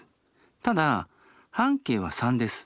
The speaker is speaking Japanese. ただ半径は３です。